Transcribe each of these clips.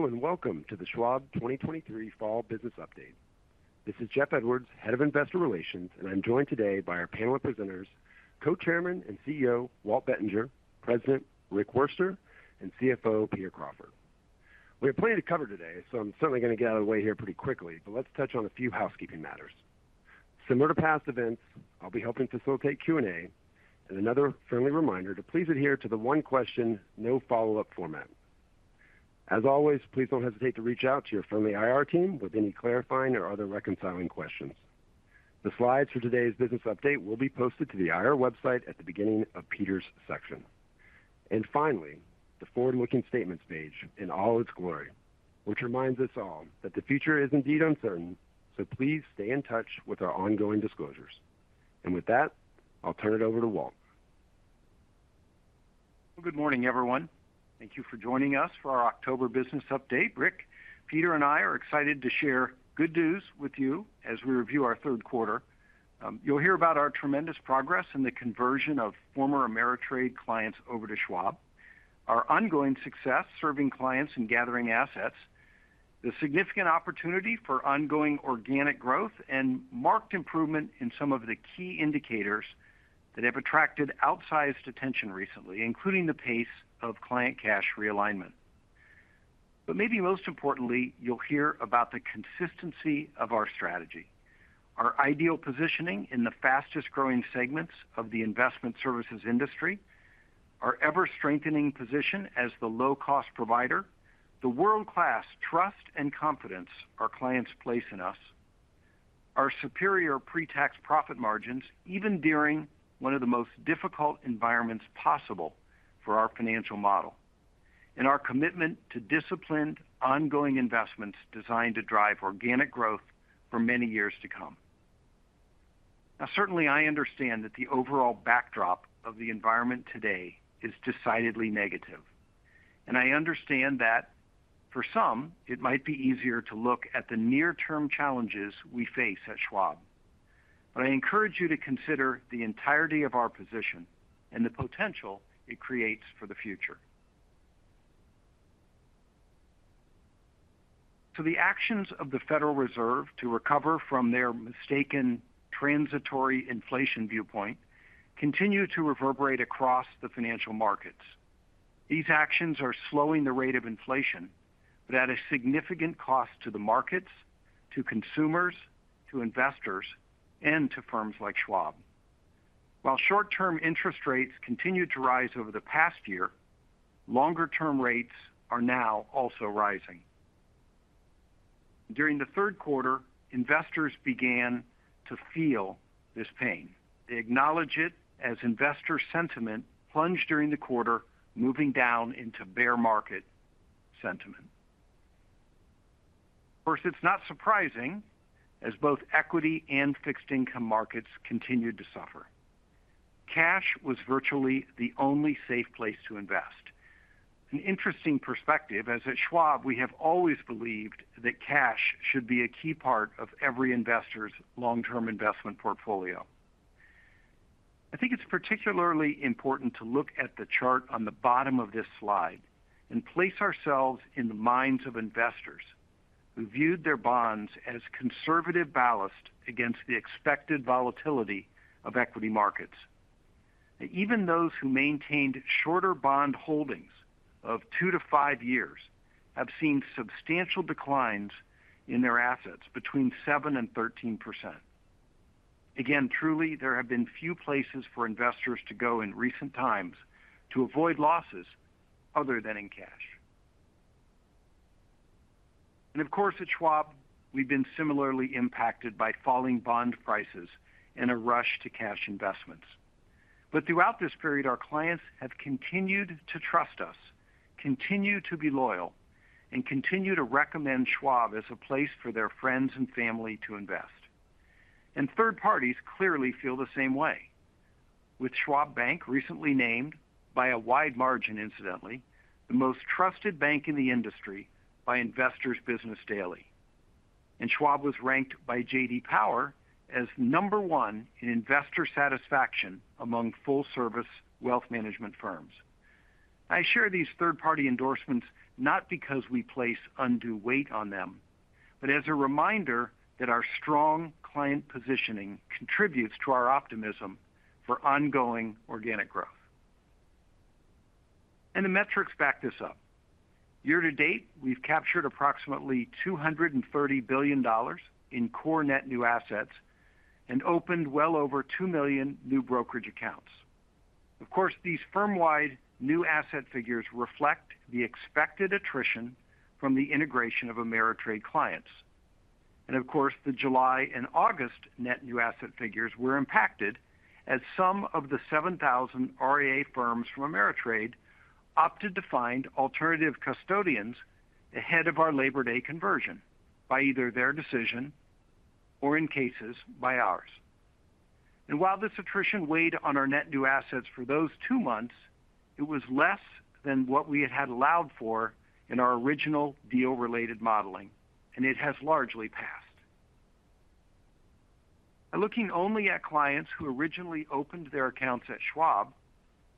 Hello, and welcome to the Schwab 2023 Fall Business Update. This is Jeff Edwards, Head of Investor Relations, and I'm joined today by our panel of presenters, Co-Chairman and CEO Walt Bettinger, President Rick Wurster, and CFO Peter Crawford. We have plenty to cover today, so I'm certainly going to get out of the way here pretty quickly, but let's touch on a few housekeeping matters. Similar to past events, I'll be helping facilitate Q&A, and another friendly reminder to please adhere to the one question, no follow-up format. As always, please don't hesitate to reach out to your friendly IR team with any clarifying or other reconciling questions. The slides for today's business update will be posted to the IR website at the beginning of Peter's section. Finally, the forward-looking statements page in all its glory, which reminds us all that the future is indeed uncertain, so please stay in touch with our ongoing disclosures. With that, I'll turn it over to Walt. Good morning, everyone. Thank you for joining us for our October business update. Rick, Peter, and I are excited to share good news with you as we review our third quarter. You'll hear about our tremendous progress in the conversion of former Ameritrade clients over to Schwab, our ongoing success serving clients and gathering assets, the significant opportunity for ongoing organic growth, and marked improvement in some of the key indicators that have attracted outsized attention recently, including the pace of client cash realignment. But maybe most importantly, you'll hear about the consistency of our strategy, our ideal positioning in the fastest-growing segments of the investment services industry, our ever-strengthening position as the low-cost provider, the world-class trust and confidence our clients place in us, our superior pre-tax profit margins, even during one of the most difficult environments possible for our financial model, and our commitment to disciplined, ongoing investments designed to drive organic growth for many years to come. Now, certainly, I understand that the overall backdrop of the environment today is decidedly negative, and I understand that for some, it might be easier to look at the near-term challenges we face at Schwab. But I encourage you to consider the entirety of our position and the potential it creates for the future. The actions of the Federal Reserve to recover from their mistaken transitory inflation viewpoint continue to reverberate across the financial markets. These actions are slowing the rate of inflation, but at a significant cost to the markets, to consumers, to investors, and to firms like Schwab. While short-term interest rates continued to rise over the past year, longer-term rates are now also rising. During the third quarter, investors began to feel this pain. They acknowledge it as investor sentiment plunged during the quarter, moving down into bear market sentiment. First, it's not surprising, as both equity and fixed-income markets continued to suffer. Cash was virtually the only safe place to invest. An interesting perspective, as at Schwab, we have always believed that cash should be a key part of every investor's long-term investment portfolio. I think it's particularly important to look at the chart on the bottom of this slide and place ourselves in the minds of investors who viewed their bonds as conservative ballast against the expected volatility of equity markets. Even those who maintained shorter bond holdings of two-five years have seen substantial declines in their assets between 7%-13%. Again, truly, there have been few places for investors to go in recent times to avoid losses other than in cash. Of course, at Schwab, we've been similarly impacted by falling bond prices in a rush to cash investments. Throughout this period, our clients have continued to trust us, continue to be loyal, and continue to recommend Schwab as a place for their friends and family to invest. Third parties clearly feel the same way. With Schwab Bank recently named, by a wide margin, incidentally, the most trusted bank in the industry by Investor's Business Daily. Schwab was ranked by J.D. Power as number one in investor satisfaction among full-service wealth management firms. I share these third-party endorsements not because we place undue weight on them, but as a reminder that our strong client positioning contributes to our optimism for ongoing organic growth. The metrics back this up. Year to date, we've captured approximately $230 billion in core net new assets and opened well over $2 million new brokerage accounts. Of course, these firm-wide new asset figures reflect the expected attrition from the integration of Ameritrade clients. Of course, the July and August net new asset figures were impacted as some of the 7,000 RIA firms from TD Ameritrade opted to find alternative custodians ahead of our Labor Day conversion, by either their decision or in cases, by ours. While this attrition weighed on our net new assets for those two months, it was less than what we had allowed for in our original deal-related modeling, and it has largely passed. Looking only at clients who originally opened their accounts at Schwab,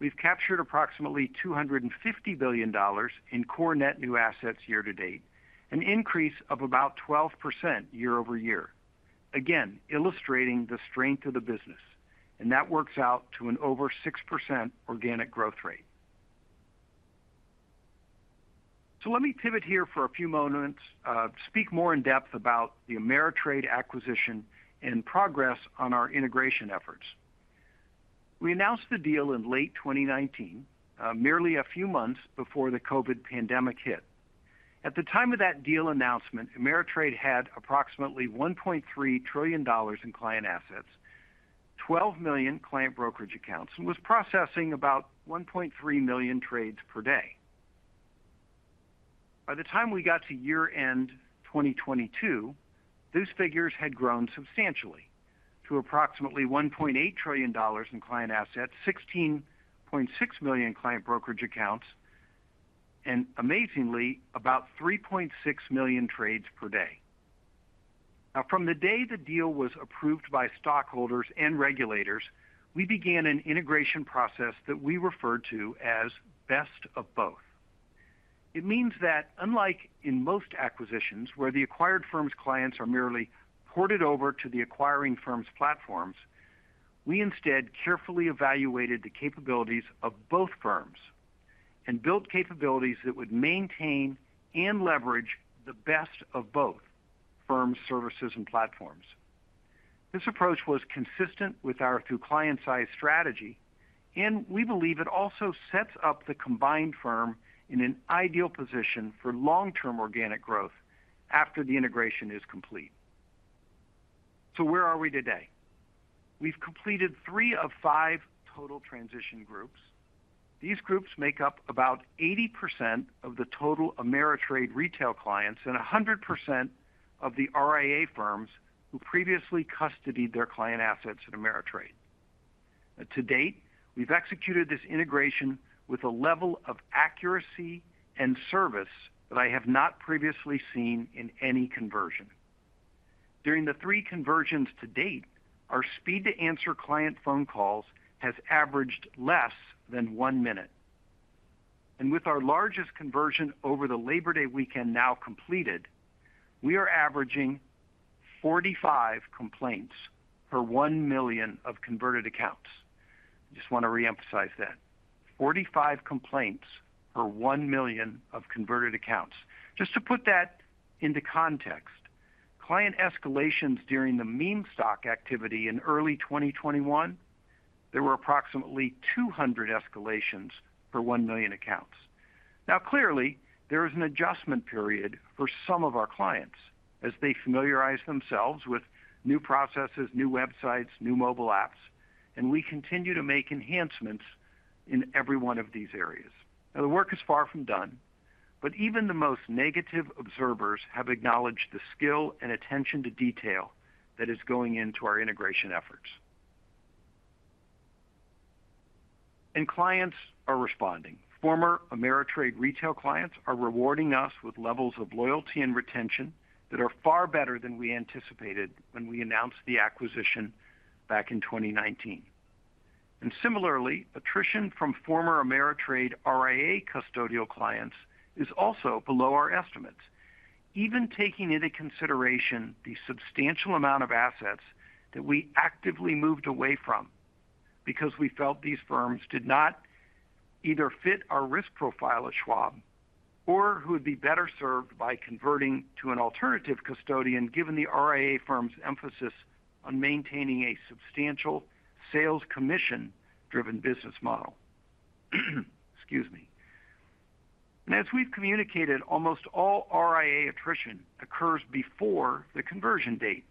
we've captured approximately $250 billion in core net new assets year-to-date, an increase of about 12% year-over-year. Again, illustrating the strength of the business, and that works out to an over 6% organic growth rate. So let me pivot here for a few moments, to speak more in depth about the TD Ameritrade acquisition and progress on our integration efforts. We announced the deal in late 2019, merely a few months before the COVID pandemic hit. At the time of that deal announcement, TD Ameritrade had approximately $1.3 trillion in client assets, 12 million client brokerage accounts, and was processing about 1.3 million trades per day. By the time we got to year-end 2022, those figures had grown substantially to approximately $1.8 trillion in client assets, 16.6 million client brokerage accounts, and amazingly, about 3.6 million trades per day. Now, from the day the deal was approved by stockholders and regulators, we began an integration process that we referred to as Best of Both. It means that unlike in most acquisitions, where the acquired firm's clients are merely ported over to the acquiring firm's platforms, we instead carefully evaluated the capabilities of both firms and built capabilities that would maintain and leverage the Best of Both firm's services and platforms. This approach was consistent with our through client size strategy, and we believe it also sets up the combined firm in an ideal position for long-term organic growth after the integration is complete. So where are we today? We've completed three of five total transition groups. These groups make up about 80% of the total Ameritrade retail clients and 100% of the RIA firms who previously custodied their client assets at Ameritrade. To date, we've executed this integration with a level of accuracy and service that I have not previously seen in any conversion. During the three conversions to date, our speed to answer client phone calls has averaged less than one minute. With our largest conversion over the Labor Day weekend now completed, we are averaging 45 complaints per 1 million of converted accounts. I just want to reemphasize that. 45 complaints per 1 million of converted accounts. Just to put that into context, client escalations during the meme stock activity in early 2021, there were approximately 200 escalations per 1 million accounts. Now, clearly, there is an adjustment period for some of our clients as they familiarize themselves with new processes, new websites, new mobile apps, and we continue to make enhancements in every one of these areas. Now, the work is far from done, but even the most negative observers have acknowledged the skill and attention to detail that is going into our integration efforts. Clients are responding. Former Ameritrade retail clients are rewarding us with levels of loyalty and retention that are far better than we anticipated when we announced the acquisition back in 2019. And similarly, attrition from former Ameritrade RIA custodial clients is also below our estimates. Even taking into consideration the substantial amount of assets that we actively moved away from because we felt these firms did not either fit our risk profile at Schwab or who would be better served by converting to an alternative custodian, given the RIA firm's emphasis on maintaining a substantial sales commission-driven business model. Excuse me. And as we've communicated, almost all RIA attrition occurs before the conversion date,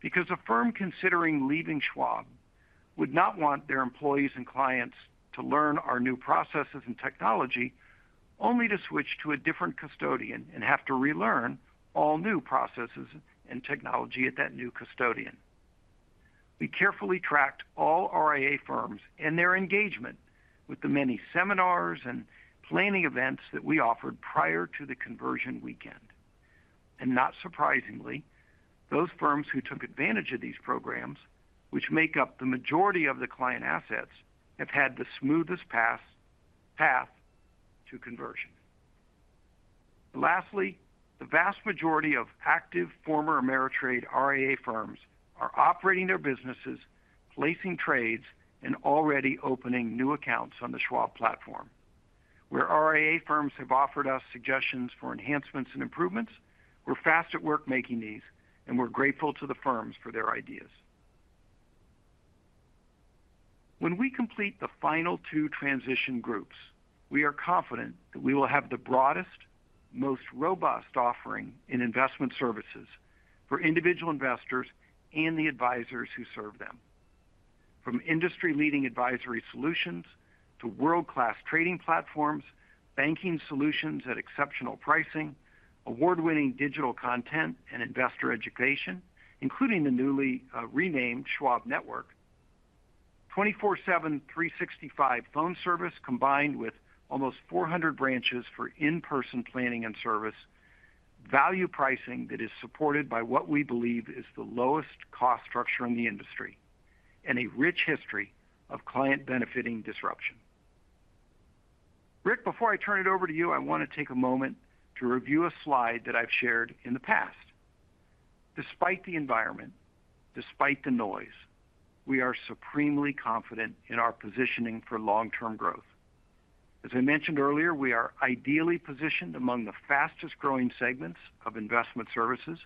because a firm considering leaving Schwab would not want their employees and clients to learn our new processes and technology, only to switch to a different custodian and have to relearn all new processes and technology at that new custodian. We carefully tracked all RIA firms and their engagement with the many seminars and planning events that we offered prior to the conversion weekend. And not surprisingly, those firms who took advantage of these programs, which make up the majority of the client assets, have had the smoothest path, path to conversion. Lastly, the vast majority of active former Ameritrade RIA firms are operating their businesses, placing trades, and already opening new accounts on the Schwab platform. Where RIA firms have offered us suggestions for enhancements and improvements, we're fast at work making these, and we're grateful to the firms for their ideas. When we complete the final two transition groups, we are confident that we will have the broadest, most robust offering in investment services for individual investors and the advisors who serve them. From industry-leading advisory solutions to world-class trading platforms, banking solutions at exceptional pricing, award-winning digital content and investor education, including the newly renamed Schwab Network, 24/7, 365 phone service, combined with almost 400 branches for in-person planning and service, value pricing that is supported by what we believe is the lowest cost structure in the industry, and a rich history of client benefiting disruption. Rick, before I turn it over to you, I want to take a moment to review a slide that I've shared in the past. Despite the environment, despite the noise, we are supremely confident in our positioning for long-term growth. As I mentioned earlier, we are ideally positioned among the fastest-growing segments of investment services.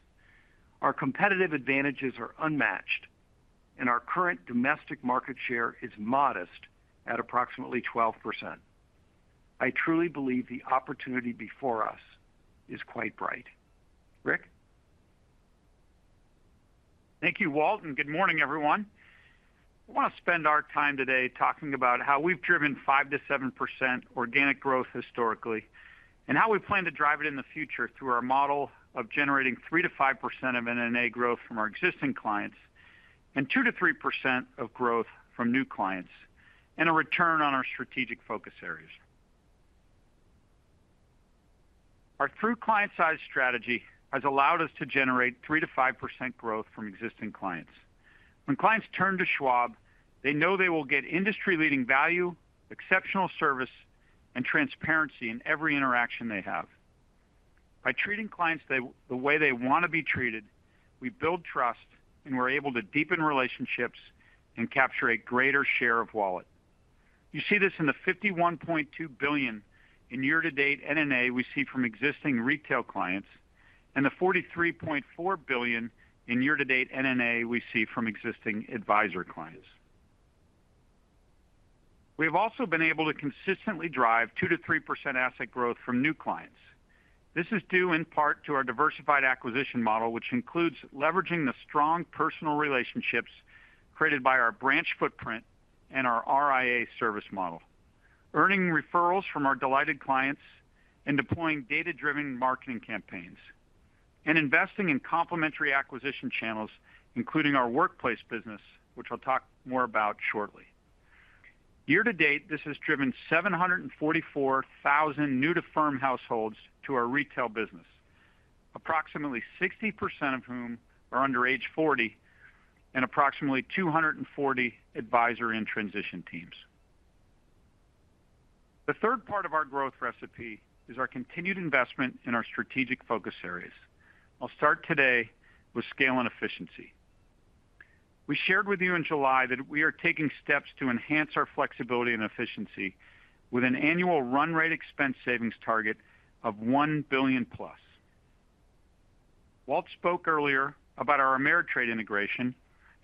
Our competitive advantages are unmatched, and our current domestic market share is modest at approximately 12%. I truly believe the opportunity before us is quite bright. Rick? Thank you, Walt, and good morning, everyone. I want to spend our time today talking about how we've driven 5%-7% organic growth historically, and how we plan to drive it in the future through our model of generating 3%-5% of NNA growth from our existing clients, and 2%-3% of growth from new clients, and a return on our strategic focus areas. Our true client size strategy has allowed us to generate 3%-5% growth from existing clients. When clients turn to Schwab, they know they will get industry-leading value, exceptional service, and transparency in every interaction they have. By treating clients the way they want to be treated, we build trust, and we're able to deepen relationships and capture a greater share of wallet. You see this in the $51.2 billion in year-to-date NNA we see from existing retail clients, and the $43.4 billion in year-to-date NNA we see from existing advisor clients. We have also been able to consistently drive 2%-3% asset growth from new clients. This is due in part to our diversified acquisition model, which includes leveraging the strong personal relationships created by our branch footprint and our RIA service model, earning referrals from our delighted clients and deploying data-driven marketing campaigns, and investing in complementary acquisition channels, including our workplace business, which I'll talk more about shortly. Year-to-date, this has driven 744,000 new-to-firm households to our retail business. Approximately 60% of whom are under age 40, and approximately 240 advisor in transition teams. The third part of our growth recipe is our continued investment in our strategic focus areas. I'll start today with scale and efficiency. We shared with you in July that we are taking steps to enhance our flexibility and efficiency with an annual run rate expense savings target of $1 billion plus. Walt spoke earlier about our Ameritrade integration,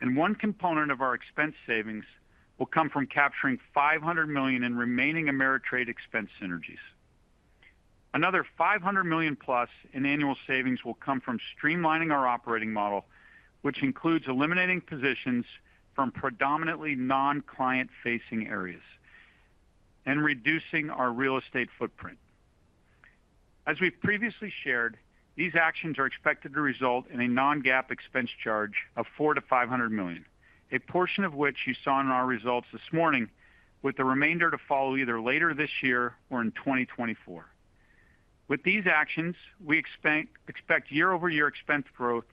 and one component of our expense savings will come from capturing $500 million in remaining Ameritrade expense synergies. Another $500 million plus in annual savings will come from streamlining our operating model, which includes eliminating positions from predominantly non-client-facing areas and reducing our real estate footprint. As we've previously shared, these actions are expected to result in a non-GAAP expense charge of $400 million-$500 million, a portion of which you saw in our results this morning, with the remainder to follow either later this year or in 2024. With these actions, we expect year-over-year expense growth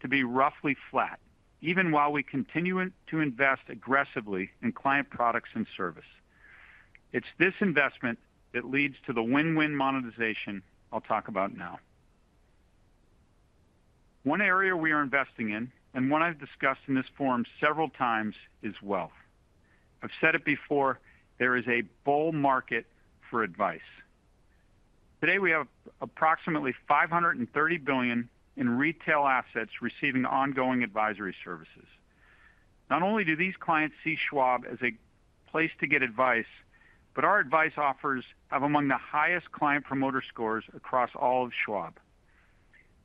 to be roughly flat, even while we continue to invest aggressively in client products and service. It's this investment that leads to the win-win monetization I'll talk about now. One area we are investing in, and one I've discussed in this forum several times, is wealth. I've said it before, there is a bull market for advice. Today, we have approximately $530 billion in retail assets receiving ongoing advisory services. Not only do these clients see Schwab as a place to get advice, but our advice offers have among the highest client promoter scores across all of Schwab.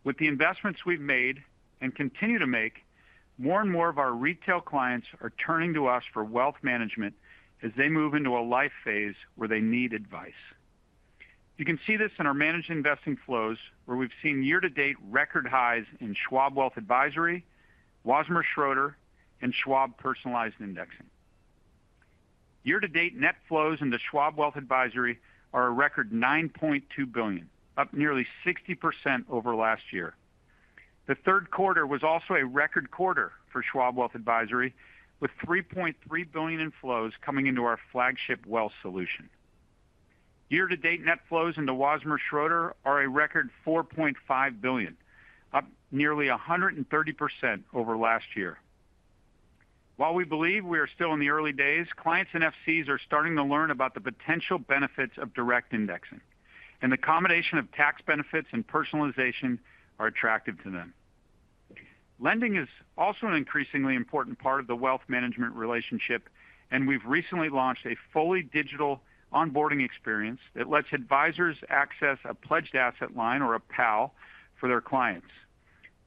With the investments we've made and continue to make, more and more of our retail clients are turning to us for wealth management as they move into a life phase where they need advice. You can see this in our managed investing flows, where we've seen year-to-date record highs in Schwab Wealth Advisory, Wasmer Schroeder, and Schwab Personalized Indexing. Year-to-date net flows in the Schwab Wealth Advisory are a record $9.2 billion, up nearly 60% over last year. The third quarter was also a record quarter for Schwab Wealth Advisory, with $3.3 billion in flows coming into our flagship wealth solution. Year-to-date net flows into Wasmer Schroeder are a record $4.5 billion, up nearly 130% over last year. While we believe we are still in the early days, clients and FCs are starting to learn about the potential benefits of direct indexing, and the combination of tax benefits and personalization are attractive to them. Lending is also an increasingly important part of the wealth management relationship, and we've recently launched a fully digital onboarding experience that lets advisors access a Pledged Asset Line, or a PAL, for their clients.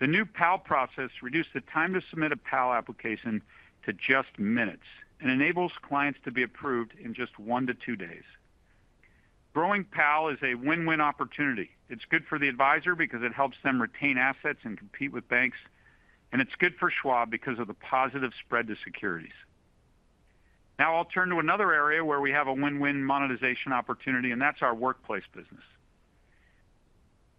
The new PAL process reduced the time to submit a PAL application to just minutes and enables clients to be approved in just one-two days. Growing PAL is a win-win opportunity. It's good for the advisor because it helps them retain assets and compete with banks, and it's good for Schwab because of the positive spread to securities. Now I'll turn to another area where we have a win-win monetization opportunity, and that's our workplace business.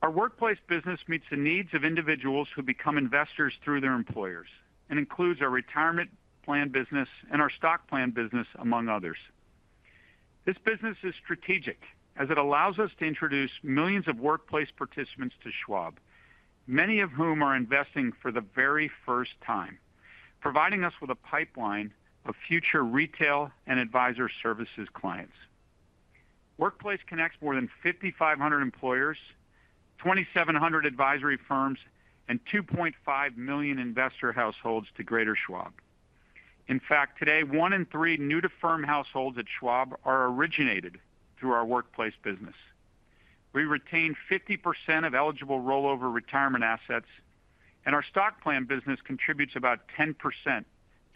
Our workplace business meets the needs of individuals who become investors through their employers, and includes our retirement plan business and our stock plan business, among others. This business is strategic, as it allows us to introduce millions of workplace participants to Schwab, many of whom are investing for the very first time, providing us with a pipeline of future retail and advisor services clients. Workplace connects more than 5,500 employers, 2,700 advisory firms, and 2.5 million investor households to greater Schwab. In fact, today, one in three new-to-firm households at Schwab are originated through our workplace business. We retain 50% of eligible rollover retirement assets, and our stock plan business contributes about 10% to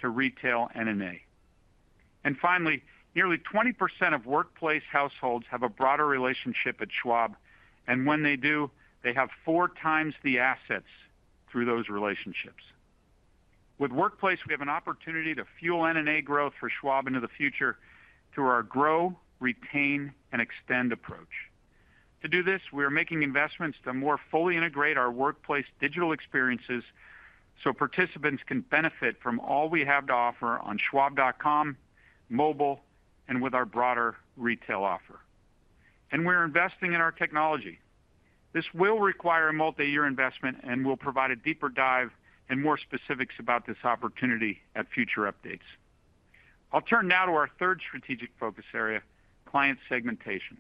retail NNA. Finally, nearly 20% of workplace households have a broader relationship at Schwab, and when they do, they have four times the assets through those relationships. With Workplace, we have an opportunity to fuel NNA growth for Schwab into the future through our grow, retain, and extend approach. To do this, we are making investments to more fully integrate our workplace digital experiences, so participants can benefit from all we have to offer on Schwab.com, mobile, and with our broader retail offer. We're investing in our technology. This will require a multi-year investment, and we'll provide a deeper dive and more specifics about this opportunity at future updates. I'll turn now to our third strategic focus area, client segmentation.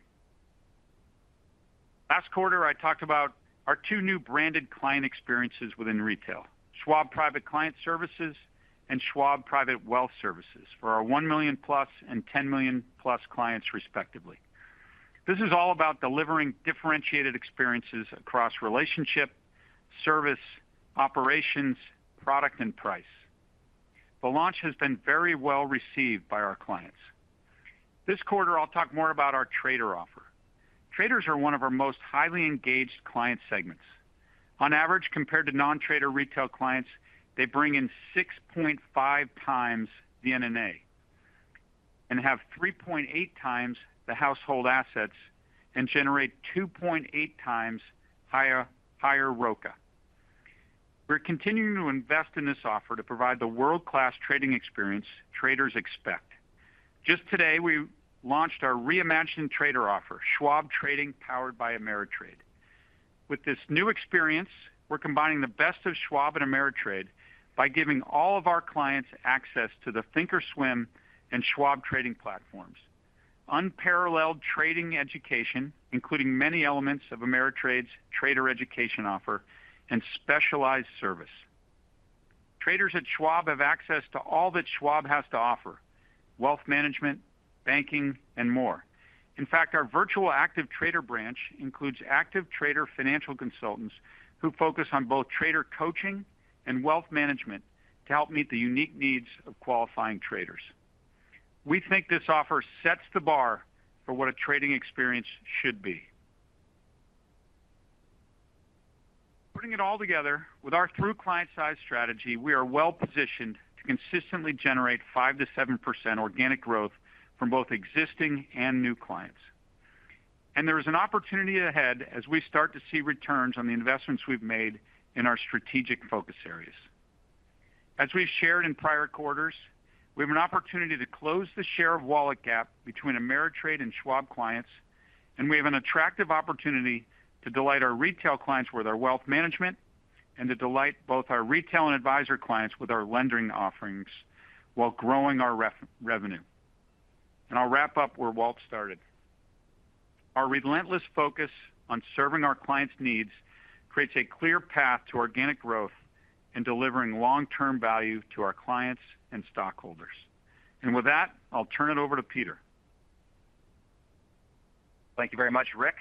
Last quarter, I talked about our two new branded client experiences within retail, Schwab Private Client Services and Schwab Private Wealth Services, for our 1 million plus and 10 million plus clients, respectively. This is all about delivering differentiated experiences across relationship, service, operations, product, and price. The launch has been very well received by our clients. This quarter, I'll talk more about our trader offer. Traders are one of our most highly engaged client segments. On average, compared to non-trader retail clients, they bring in 6.5 times the NNA, and have 3.8 times the household assets, and generate 2.8 times higher, higher ROCA. We're continuing to invest in this offer to provide the world-class trading experience traders expect. Just today, we launched our reimagined trader offer, Schwab Trading Powered by Ameritrade. With this new experience, we're combining the best of Schwab and Ameritrade by giving all of our clients access to the thinkorswim and Schwab trading platforms, unparalleled trading education, including many elements of Ameritrade's trader education offer, and specialized service. Traders at Schwab have access to all that Schwab has to offer: wealth management, banking, and more. In fact, our virtual active trader branch includes active trader financial consultants who focus on both trader coaching and wealth management to help meet the unique needs of qualifying traders. We think this offer sets the bar for what a trading experience should be. Putting it all together, with our through client size strategy, we are well-positioned to consistently generate 5%-7% organic growth from both existing and new clients. And there is an opportunity ahead as we start to see returns on the investments we've made in our strategic focus areas. As we've shared in prior quarters, we have an opportunity to close the share of wallet gap between Ameritrade and Schwab clients, and we have an attractive opportunity to delight our retail clients with our wealth management, and to delight both our retail and advisor clients with our lending offerings while growing our revenue. And I'll wrap up where Walt started. Our relentless focus on serving our clients needs creates a clear path to organic growth and delivering long-term value to our clients and stockholders. And with that, I'll turn it over to Peter. Thank you very much, Rick.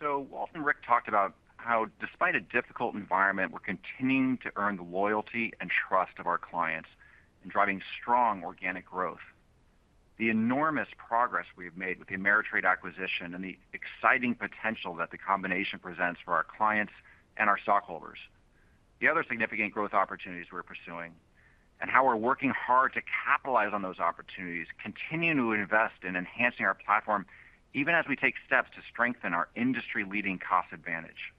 So Walt and Rick talked about how, despite a difficult environment, we're continuing to earn the loyalty and trust of our clients in driving strong organic growth. The enormous progress we have made with the Ameritrade acquisition, and the exciting potential that the combination presents for our clients and our stockholders. The other significant growth opportunities we're pursuing, and how we're working hard to capitalize on those opportunities, continuing to invest in enhancing our platform, even as we take steps to strengthen our industry-leading cost advantage.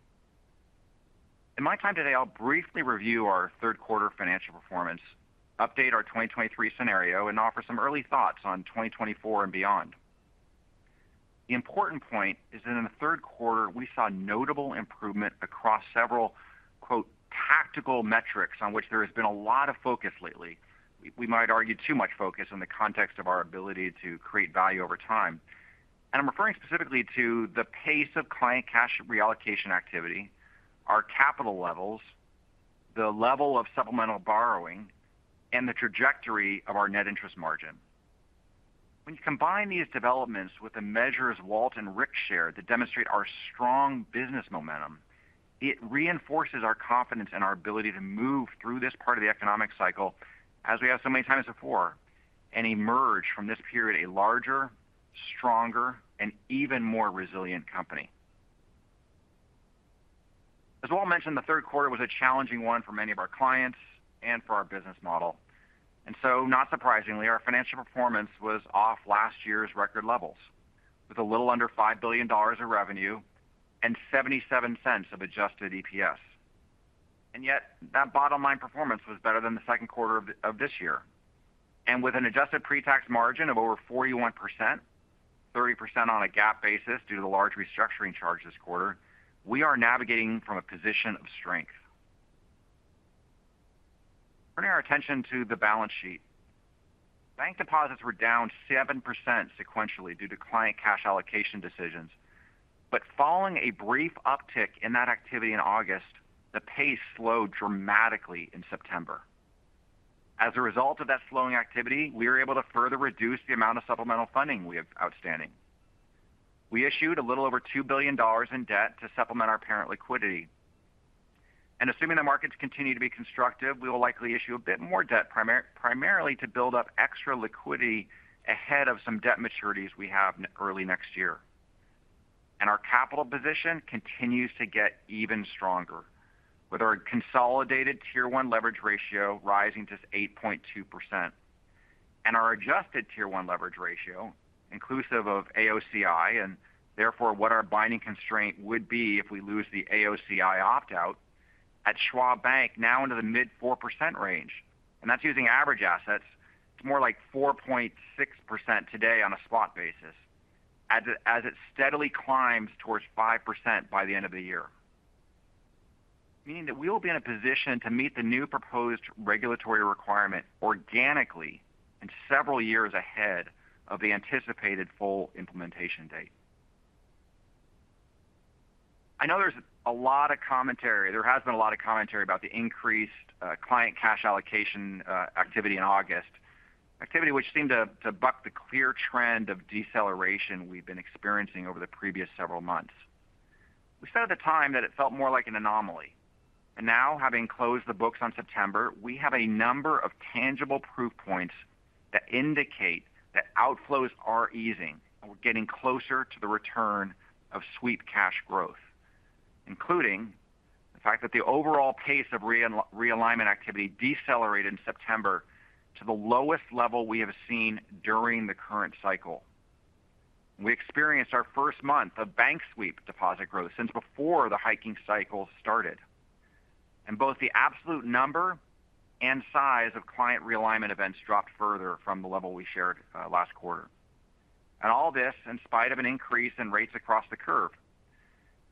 In my time today, I'll briefly review our third quarter financial performance, update our 2023 scenario, and offer some early thoughts on 2024 and beyond. The important point is that in the third quarter, we saw notable improvement across several, quote, "tactical metrics" on which there has been a lot of focus lately. We, we might argue too much focus in the context of our ability to create value over time. And I'm referring specifically to the pace of client cash reallocation activity, our capital levels, the level of supplemental borrowing, and the trajectory of our net interest margin. When you combine these developments with the measures Walt and Rick shared that demonstrate our strong business momentum, it reinforces our confidence in our ability to move through this part of the economic cycle, as we have so many times before, and emerge from this period a larger, stronger, and even more resilient company. As Walt mentioned, the third quarter was a challenging one for many of our clients and for our business model. And so not surprisingly, our financial performance was off last year's record levels, with a little under $5 billion of revenue and $0.77 of adjusted EPS. And yet, that bottom line performance was better than the second quarter of this year. And with an adjusted pre-tax margin of over 41%, 30% on a GAAP basis, due to the large restructuring charge this quarter, we are navigating from a position of strength. Turning our attention to the balance sheet. Bank deposits were down 7% sequentially due to client cash allocation decisions. But following a brief uptick in that activity in August, the pace slowed dramatically in September. As a result of that slowing activity, we were able to further reduce the amount of supplemental funding we have outstanding. We issued a little over $2 billion in debt to supplement our parent liquidity. Assuming the markets continue to be constructive, we will likely issue a bit more debt, primarily to build up extra liquidity ahead of some debt maturities we have early next year. Our capital position continues to get even stronger, with our consolidated Tier 1 leverage ratio rising to 8.2%. And our adjusted Tier 1 leverage ratio, inclusive of AOCI, and therefore what our binding constraint would be if we lose the AOCI opt-out at Schwab Bank, now into the mid 4% range, and that's using average assets. It's more like 4.6% today on a spot basis, as it steadily climbs towards 5% by the end of the year. Meaning that we will be in a position to meet the new proposed regulatory requirement organically and several years ahead of the anticipated full implementation date. I know there's a lot of commentary. There has been a lot of commentary about the increased client cash allocation activity in August. Activity, which seemed to buck the clear trend of deceleration we've been experiencing over the previous several months. We said at the time that it felt more like an anomaly, and now, having closed the books on September, we have a number of tangible proof points that indicate that outflows are easing, and we're getting closer to the return of sweep cash growth, including the fact that the overall pace of realignment activity decelerated in September to the lowest level we have seen during the current cycle. We experienced our first month of bank sweep deposit growth since before the hiking cycle started, and both the absolute number and size of client realignment events dropped further from the level we shared last quarter. And all this in spite of an increase in rates across the curve.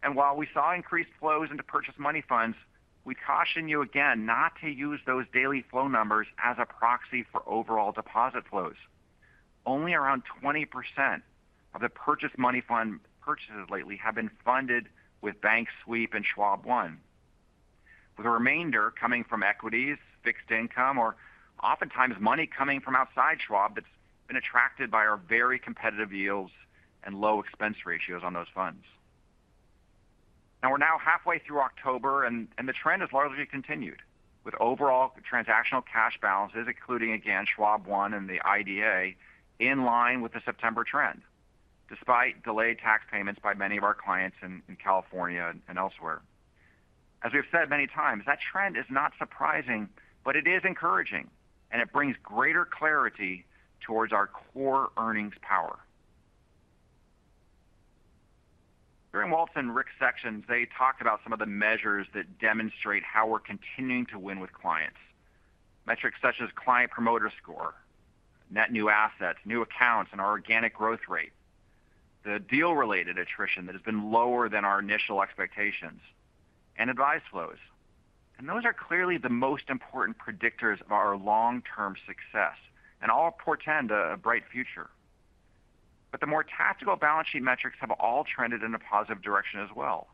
And while we saw increased flows into purchase money funds, we caution you again not to use those daily flow numbers as a proxy for overall deposit flows. Only around 20% of the purchase money fund purchases lately have been funded with bank sweep and Schwab One, with the remainder coming from equities, fixed income, or oftentimes money coming from outside Schwab that's been attracted by our very competitive yields and low expense ratios on those funds. Now, we're halfway through October, and the trend has largely continued, with overall transactional cash balances, including, again, Schwab One and the IDA, in line with the September trend, despite delayed tax payments by many of our clients in California and elsewhere. As we've said many times, that trend is not surprising, but it is encouraging, and it brings greater clarity towards our core earnings power. During Walt's and Rick's sections, they talked about some of the measures that demonstrate how we're continuing to win with clients. Metrics such as client promoter score, net new assets, new accounts, and our organic growth rate, the deal-related attrition that has been lower than our initial expectations, and advice flows. Those are clearly the most important predictors of our long-term success and all portend a bright future. But the more tactical balance sheet metrics have all trended in a positive direction as well,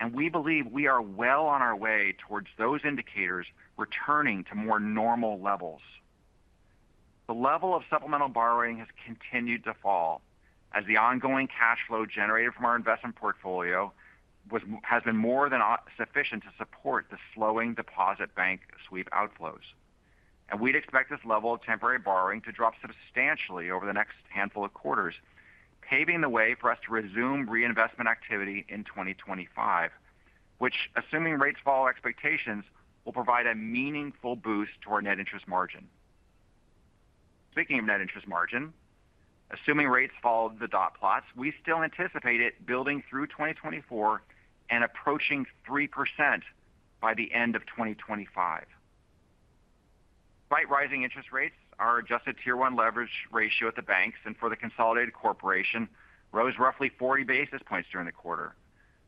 and we believe we are well on our way towards those indicators returning to more normal levels. The level of supplemental borrowing has continued to fall as the ongoing cash flow generated from our investment portfolio has been more than sufficient to support the slowing deposit bank sweep outflows. And we'd expect this level of temporary borrowing to drop substantially over the next handful of quarters, paving the way for us to resume reinvestment activity in 2025, which, assuming rates follow expectations, will provide a meaningful boost to our net interest margin. Speaking of net interest margin, assuming rates follow the dot plots, we still anticipate it building through 2024 and approaching 3% by the end of 2025. Despite rising interest rates, our adjusted Tier 1 leverage ratio at the banks and for the consolidated corporation rose roughly 40 basis points during the quarter,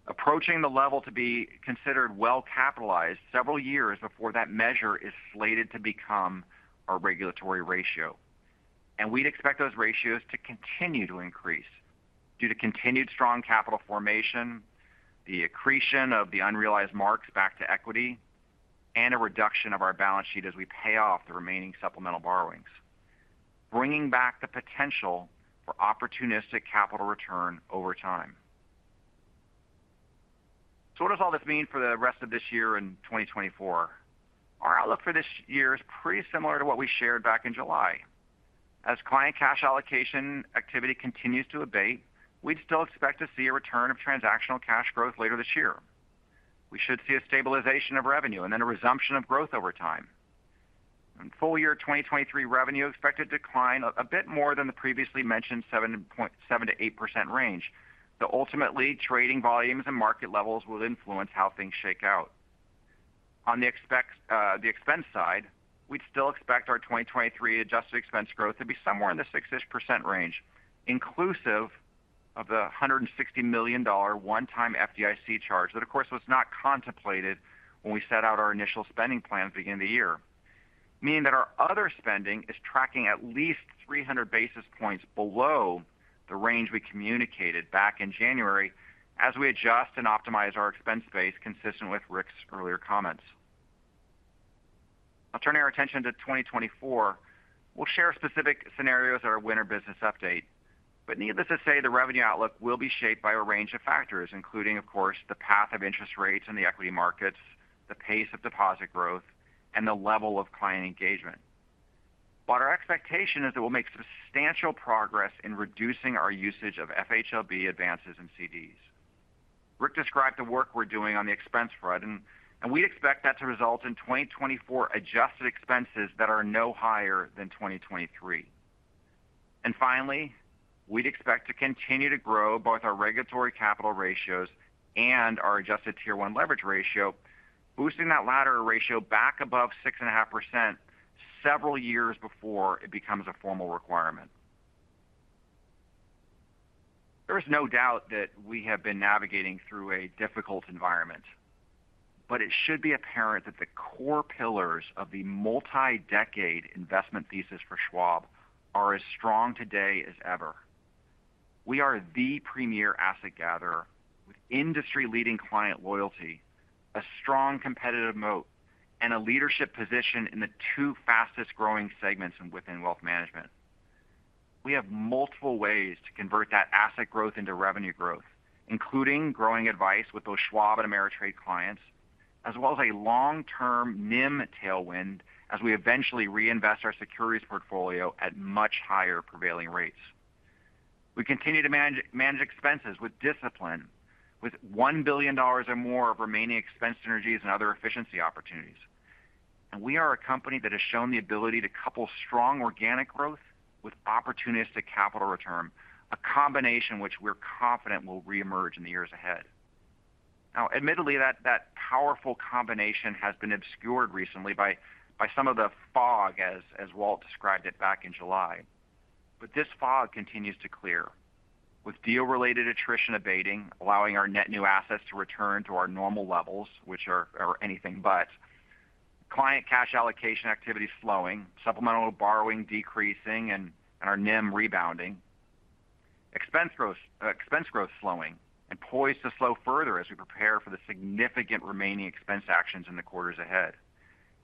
approaching the level to be considered well-capitalized several years before that measure is slated to become our regulatory ratio. We'd expect those ratios to continue to increase due to continued strong capital formation, the accretion of the unrealized marks back to equity, and a reduction of our balance sheet as we pay off the remaining supplemental borrowings, bringing back the potential for opportunistic capital return over time. What does all this mean for the rest of this year and 2024? Our outlook for this year is pretty similar to what we shared back in July. As client cash allocation activity continues to abate, we'd still expect to see a return of transactional cash growth later this year. We should see a stabilization of revenue and then a resumption of growth over time. In full year 2023 revenue expected to decline a bit more than the previously mentioned 7.7%-8% range, though ultimately, trading volumes and market levels will influence how things shake out. On the expense side, we'd still expect our 2023 adjusted expense growth to be somewhere in the 6-ish% range, inclusive of the $160 million one time FDIC charge. That, of course, was not contemplated when we set out our initial spending plans at the beginning of the year, meaning that our other spending is tracking at least 300 basis points below the range we communicated back in January as we adjust and optimize our expense base, consistent with Rick's earlier comments. Now, turning our attention to 2024, we'll share specific scenarios at our winter business update. But needless to say, the revenue outlook will be shaped by a range of factors, including, of course, the path of interest rates and the equity markets, the pace of deposit growth, and the level of client engagement. But our expectation is that we'll make substantial progress in reducing our usage of FHLB advances in CDs. Rick described the work we're doing on the expense front, and we expect that to result in 2024 adjusted expenses that are no higher than 2023. And finally, we'd expect to continue to grow both our regulatory capital ratios and our adjusted Tier 1 leverage ratio, boosting that latter ratio back above 6.5% several years before it becomes a formal requirement. There is no doubt that we have been navigating through a difficult environment, but it should be apparent that the core pillars of the multi-decade investment thesis for Schwab are as strong today as ever. We are the premier asset gatherer with industry-leading client loyalty, a strong competitive moat, and a leadership position in the two fastest-growing segments within wealth management. We have multiple ways to convert that asset growth into revenue growth, including growing advice with those Schwab and Ameritrade clients, as well as a long-term NIM tailwind as we eventually reinvest our securities portfolio at much higher prevailing rates. We continue to manage expenses with discipline, with $1 billion or more of remaining expense synergies and other efficiency opportunities. We are a company that has shown the ability to couple strong organic growth with opportunistic capital return, a combination which we're confident will reemerge in the years ahead. Now, admittedly, that powerful combination has been obscured recently by some of the fog as Walt described it back in July. But this fog continues to clear with deal-related attrition abating, allowing our net new assets to return to our normal levels, which are anything but. Client cash allocation activity slowing, supplemental borrowing decreasing, and our NIM rebounding. Expense growth slowing and poised to slow further as we prepare for the significant remaining expense actions in the quarters ahead.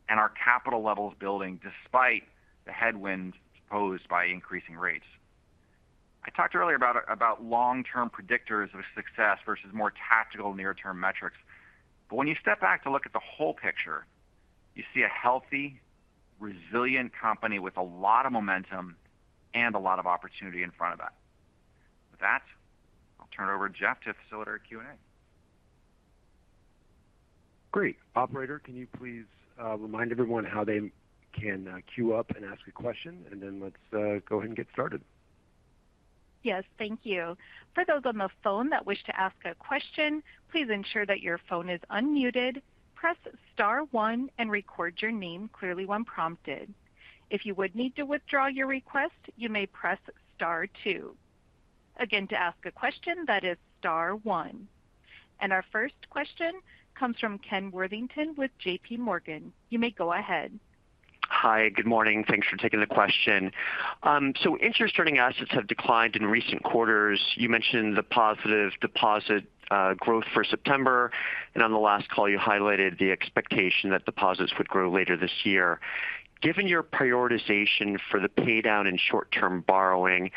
And our capital levels building despite the headwinds posed by increasing rates. I talked earlier about long-term predictors of success versus more tactical near-term metrics. But when you step back to look at the whole picture, you see a healthy, resilient company with a lot of momentum and a lot of opportunity in front of us. With that, I'll turn it over to Jeff to facilitate our Q&A. Great. Operator, can you please remind everyone how they can queue up and ask a question, and then let's go ahead and get started? Yes, thank you. For those on the phone that wish to ask a question, please ensure that your phone is unmuted, press star one, and record your name clearly when prompted. If you would need to withdraw your request, you may press star two. Again, to ask a question, that is star one. And our first question comes from Ken Worthington with JPMorgan. You may go ahead. Hi, good morning. Thanks for taking the question. So interest-earning assets have declined in recent quarters. You mentioned the positive deposit growth for September, and on the last call, you highlighted the expectation that deposits would grow later this year. Given your prioritization for the paydown and short-term borrowing,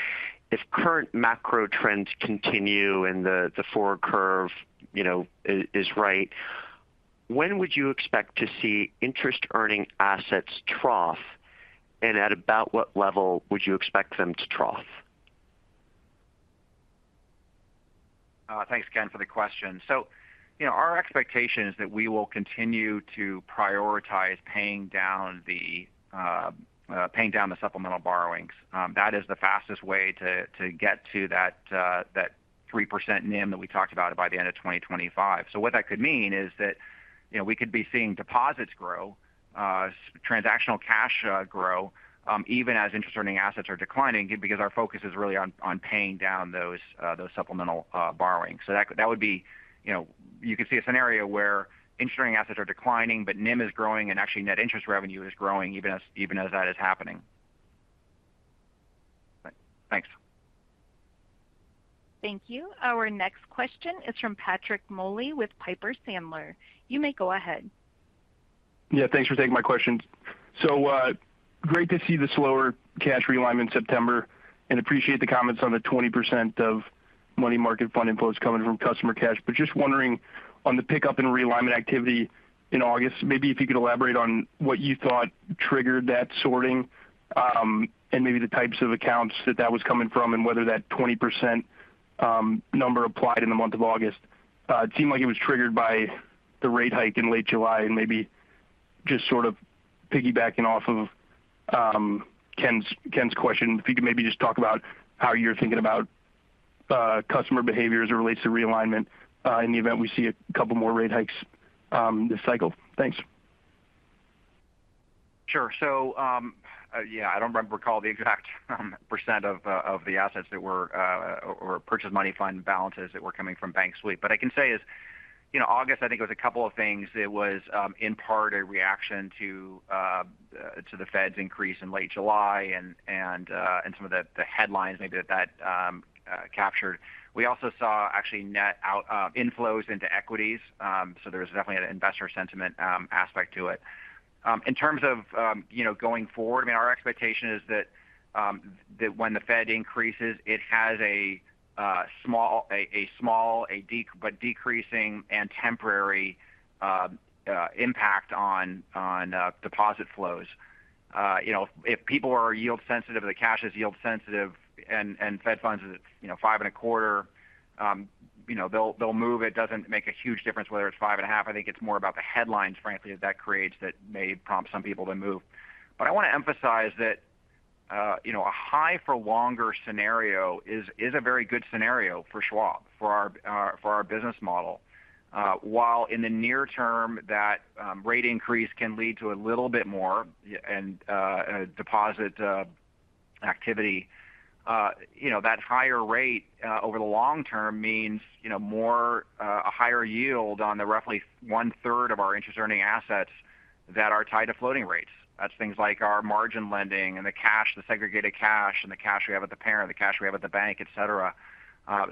if current macro trends continue and the forward curve, you know, is right, when would you expect to see interest earning assets trough, and at about what level would you expect them to trough? Thanks, Ken, for the question. So, you know, our expectation is that we will continue to prioritize paying down the supplemental borrowings. That is the fastest way to get to that 3% NIM that we talked about by the end of 2025. So what that could mean is that, you know, we could be seeing deposits grow, transactional cash grow, even as interest-earning assets are declining, because our focus is really on paying down those supplemental borrowings. So that would be, you know, you could see a scenario where interest-earning assets are declining, but NIM is growing, and actually net interest revenue is growing, even as that is happening. Thanks. Thank you. Our next question is from Patrick Moley with Piper Sandler. You may go ahead. Yeah, thanks for taking my questions. So, great to see the slower cash realignment in September, and appreciate the comments on the 20% of money market fund inflows coming from customer cash. But just wondering on the pickup in realignment activity in August, maybe if you could elaborate on what you thought triggered that sorting, and maybe the types of accounts that that was coming from, and whether that 20% number applied in the month of August. It seemed like it was triggered by the rate hike in late July, and maybe just sort of piggybacking off of Ken's question, if you could maybe just talk about how you're thinking about customer behavior as it relates to realignment in the event we see a couple more rate hikes this cycle. Thanks. Sure. So, yeah, I don't recall the exact percent of the assets that were or purchase money fund balances that were coming from bank sweep. But I can say is, you know, August, I think it was a couple of things. It was in part a reaction to the Fed's increase in late July and some of the headlines maybe that captured. We also saw actually net inflows into equities. So there's definitely an investor sentiment aspect to it. In terms of you know, going forward, I mean, our expectation is that when the Fed increases, it has a small decreasing and temporary impact on deposit flows. You know, if people are yield sensitive, the cash is yield sensitive and Fed funds is, you know, 5.25, you know, they'll move. It doesn't make a huge difference whether it's 5.5. I think it's more about the headlines, frankly, that creates, that may prompt some people to move. But I want to emphasize that, you know, a high for longer scenario is a very good scenario for Schwab, for our business model. While in the near term, that rate increase can lead to a little bit more and a deposit activity, you know, that higher rate over the long term means, you know, more a higher yield on the roughly 1/3 of our interest-earning assets that are tied to floating rates. That's things like our margin lending and the cash, the segregated cash, and the cash we have at the parent, the cash we have at the bank, et cetera.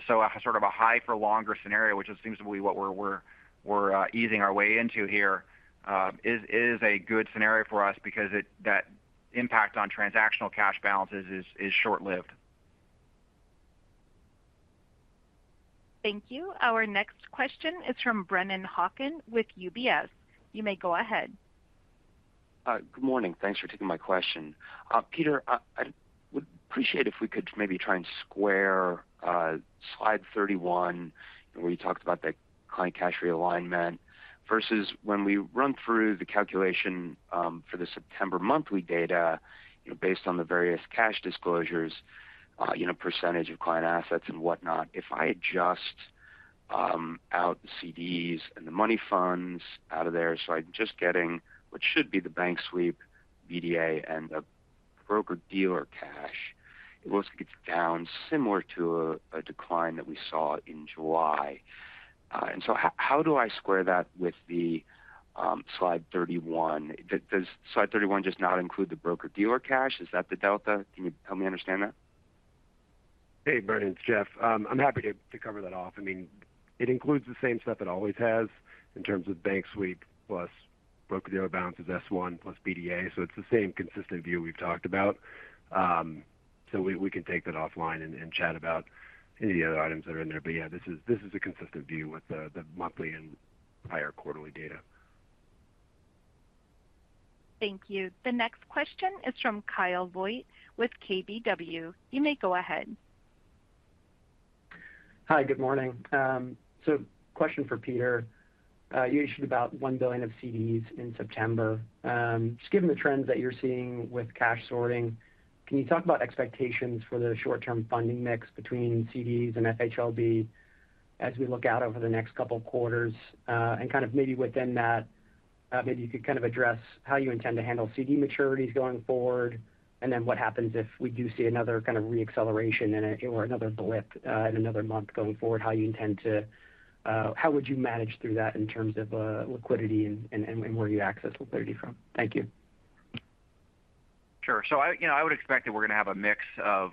So a sort of a high for longer scenario, which seems to be what we're easing our way into here, is a good scenario for us because it, that impact on transactional cash balances is short-lived. Thank you. Our next question is from Brennan Hawken with UBS. You may go ahead. Good morning. Thanks for taking my question. Peter, I would appreciate if we could maybe try and square slide 31, where you talked about the client cash realignment versus when we run through the calculation for the September monthly data, you know, based on the various cash disclosures, you know, percentage of client assets and whatnot. If I adjust out the CDs and the money funds out of there, so I'm just getting what should be the bank sweep, BDA and the broker-dealer cash, it looks like it's down similar to a decline that we saw in July. And so how do I square that with the slide 31? Does slide 31 just not include the broker-dealer cash? Is that the delta? Can you help me understand that? Hey, Brennan, it's Jeff. I'm happy to cover that off. I mean, it includes the same stuff it always has in terms of bank sweep plus broker-dealer balances, S1 plus BDA. So it's the same consistent view we've talked about. So we can take that offline and chat about any other items that are in there. But yeah, this is a consistent view with the monthly and higher quarterly data. Thank you. The next question is from Kyle Voigt with KBW. You may go ahead. Hi, good morning. So question for Peter. You issued about $1 billion of CDs in September. Just given the trends that you're seeing with cash sorting, can you talk about expectations for the short-term funding mix between CDs and FHLB as we look out over the next couple of quarters? And kind of maybe within that, maybe you could kind of address how you intend to handle CD maturities going forward, and then what happens if we do see another kind of reacceleration in it or another blip in another month going forward, how you intend to, how would you manage through that in terms of liquidity and where you access liquidity from? Thank you. Sure. So I, you know, I would expect that we're going to have a mix of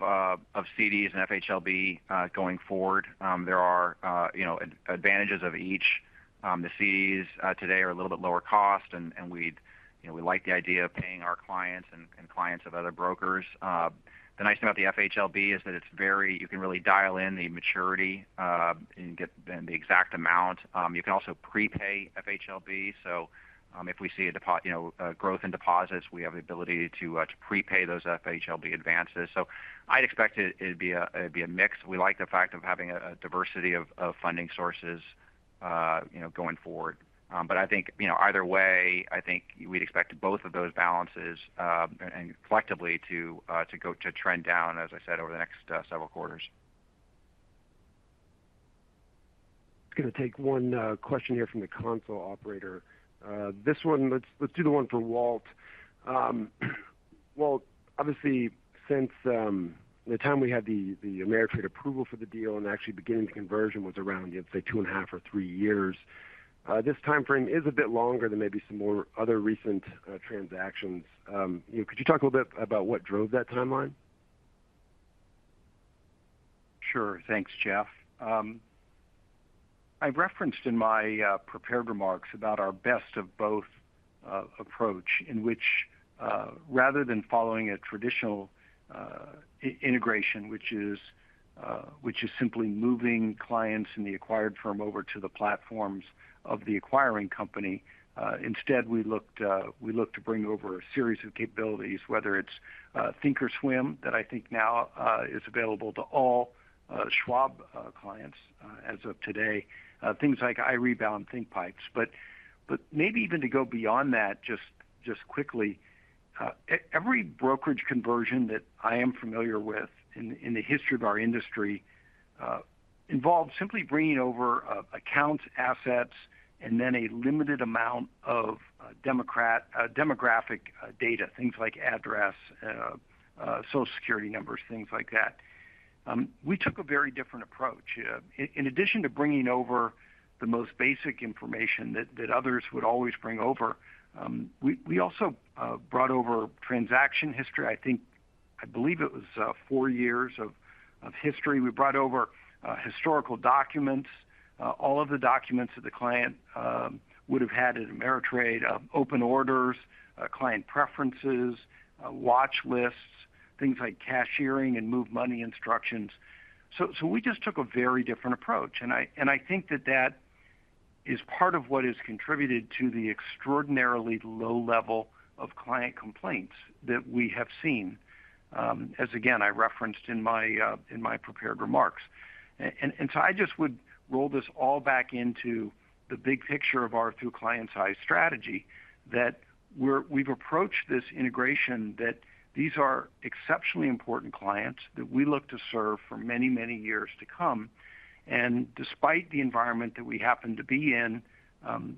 CDs and FHLB going forward. There are, you know, advantages of each. The CDs today are a little bit lower cost, and we'd, you know, we like the idea of paying our clients and clients of other brokers. The nice thing about the FHLB is that it's very. You can really dial in the maturity and get the exact amount. You can also prepay FHLB. So, if we see a growth in deposits, we have the ability to prepay those FHLB advances. So I'd expect it. It'd be a mix. We like the fact of having a diversity of funding sources, you know, going forward. But I think, you know, either way, I think we'd expect both of those balances and collectively to go to trend down, as I said, over the next several quarters. Going to take one question here from the console operator. This one, let's do the one for Walt. Well, obviously, since the time we had the Ameritrade approval for the deal and actually beginning the conversion was around, say, 2.5 or 3 years, this time frame is a bit longer than maybe some more other recent transactions. Could you talk a little bit about what drove that timeline? Sure. Thanks, Jeff. I referenced in my prepared remarks about our Best of Both approach, in which, rather than following a traditional integration, which is simply moving clients in the acquired firm over to the platforms of the acquiring company. Instead, we looked to bring over a series of capabilities, whether it's thinkorswim, that I think now is available to all Schwab clients as of today. Things like iRebal and thinkpipes. But maybe even to go beyond that, just quickly, every brokerage conversion that I am familiar with in the history of our industry involved simply bringing over accounts, assets, and then a limited amount of demographic data, things like address, Social Security numbers, things like that. We took a very different approach. In addition to bringing over the most basic information that others would always bring over, we also brought over transaction history. I think, I believe it was four years of history. We brought over historical documents, all of the documents that the client would have had at Ameritrade, open orders, client preferences, watch lists, things like cashiering and move money instructions. So we just took a very different approach, and I think that is part of what has contributed to the extraordinarily low level of client complaints that we have seen, as again, I referenced in my prepared remarks. And so I just would roll this all back into the big picture of our through client's eyes strategy, that we've approached this integration that these are exceptionally important clients that we look to serve for many, many years to come, and despite the environment that we happen to be in,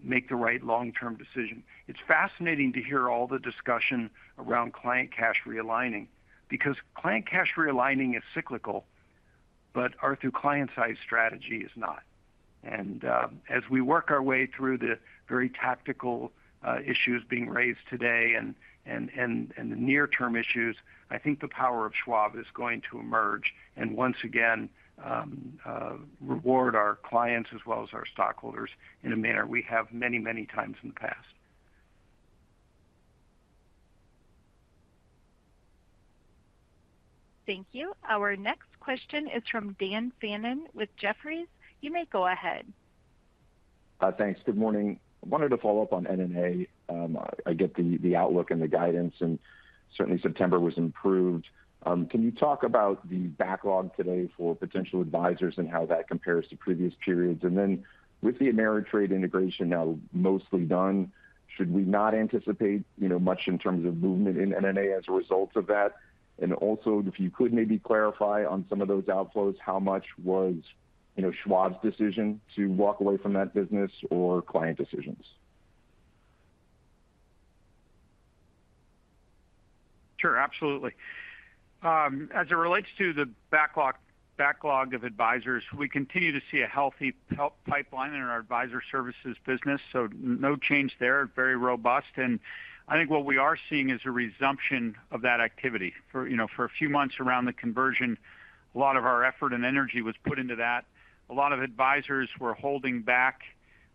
make the right long-term decision. It's fascinating to hear all the discussion around client cash realigning, because client cash realigning is cyclical, but our through client's eyes strategy is not. And as we work our way through the very tactical issues being raised today and the near-term issues, I think the power of Schwab is going to emerge and once again reward our clients as well as our stockholders in a manner we have many, many times in the past. Thank you. Our next question is from Dan Fannon with Jefferies. You may go ahead. Thanks. Good morning. I wanted to follow up on NNA. I get the outlook and the guidance, and certainly September was improved. Can you talk about the backlog today for potential advisors and how that compares to previous periods? And then with the Ameritrade integration now mostly done, should we not anticipate, you know, much in terms of movement in NNA as a result of that? And also, if you could maybe clarify on some of those outflows, how much was, you know, Schwab's decision to walk away from that business or client decisions? Sure, absolutely. As it relates to the backlog, backlog of advisors, we continue to see a healthy pipeline in our Advisor Services business, so no change there, very robust. And I think what we are seeing is a resumption of that activity. You know, for a few months around the conversion, a lot of our effort and energy was put into that. A lot of advisors were holding back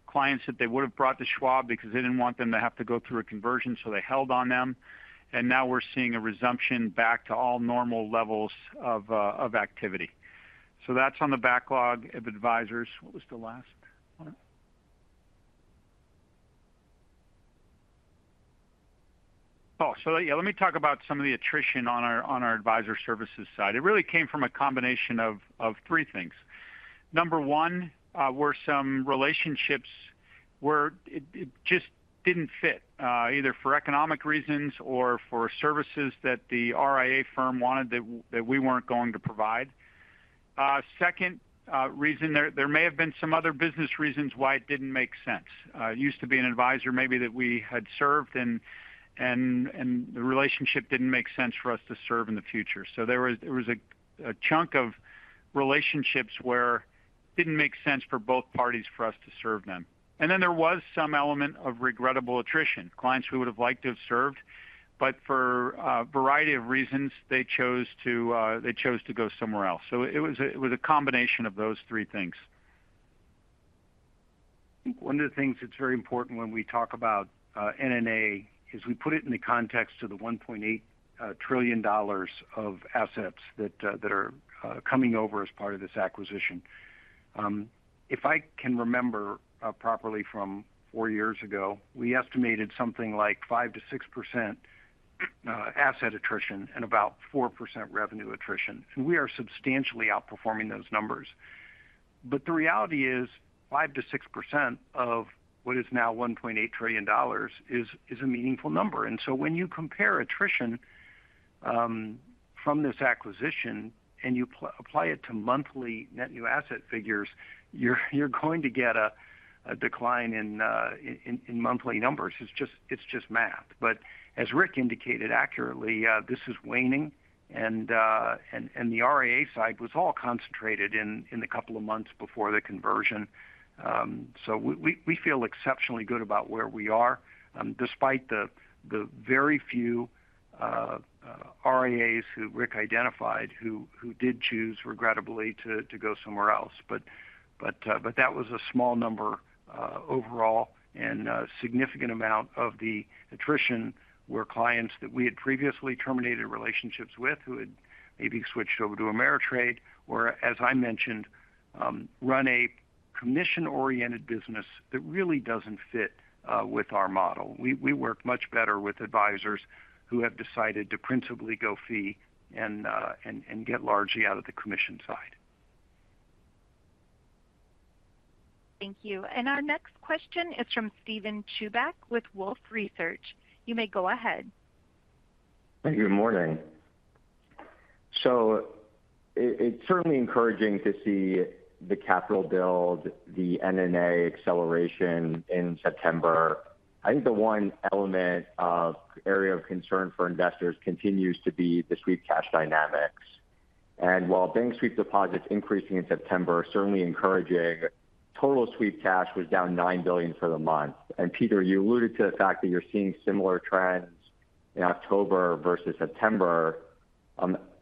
clients that they would have brought to Schwab because they didn't want them to have to go through a conversion, so they held on them. And now we're seeing a resumption back to all normal levels of activity. So that's on the backlog of advisors. What was the last one? Oh, so yeah, let me talk about some of the attrition on our Advisor Services side. It really came from a combination of three things. Number one, were some relationships where it just didn't fit, either for economic reasons or for services that the RIA firm wanted that we weren't going to provide. Second reason, there may have been some other business reasons why it didn't make sense. It used to be an advisor maybe that we had served and the relationship didn't make sense for us to serve in the future. So there was a chunk of relationships where it didn't make sense for both parties for us to serve them. And then there was some element of regrettable attrition, clients we would have liked to have served, but for a variety of reasons, they chose to go somewhere else. So it was a combination of those three things. I think one of the things that's very important when we talk about NNA is we put it in the context of the $1.8 trillion of assets that are coming over as part of this acquisition. If I can remember properly from four years ago, we estimated something like 5%-6% asset attrition and about 4% revenue attrition, and we are substantially outperforming those numbers. But the reality is, 5%-6% of what is now $1.8 trillion is a meaningful number. And so when you compare attrition from this acquisition and you apply it to monthly net new asset figures, you're going to get a decline in monthly numbers. It's just, it's just math. But as Rick indicated accurately, this is waning and the RIA side was all concentrated in the couple of months before the conversion. So we feel exceptionally good about where we are, despite the very few RIAs who Rick identified, who did choose, regrettably, to go somewhere else. But that was a small number overall, and a significant amount of the attrition were clients that we had previously terminated relationships with, who had maybe switched over to Ameritrade, or as I mentioned, run a commission-oriented business that really doesn't fit with our model. We work much better with advisors who have decided to principally go fee and get largely out of the commission side. Thank you. Our next question is from Steven Chubak with Wolfe Research. You may go ahead. Thank you. Good morning. So it's certainly encouraging to see the capital build, the NNA acceleration in September. I think the one element of area of concern for investors continues to be the sweep cash dynamics. And while bank sweep deposits increasing in September are certainly encouraging, total sweep cash was down $9 billion for the month. And Peter, you alluded to the fact that you're seeing similar trends in October versus September.